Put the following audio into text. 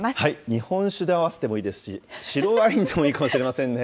日本酒で合わせてもいいですし、白ワインでもいいかもしれませんね。